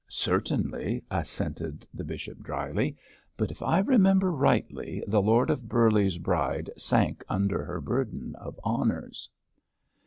'Certainly,' assented the bishop, dryly; 'but if I remember rightly, the Lord of Burleigh's bride sank under her burden of honours.'